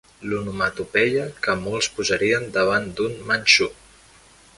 L'onomatopeia que molts posarien davant d'un manxú.